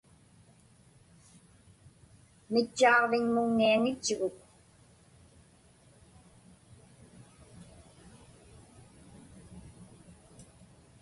Mitchaaġviŋmuŋniaŋitchuguk.